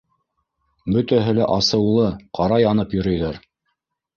Бөтәһе лә асыулы, ҡара янып йөрөйҙәр.